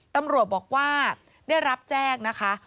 ตำรวจบอกว่าได้รับแจ้งนะคะ